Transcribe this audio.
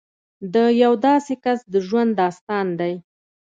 د یو داسې کس د ژوند داستان دی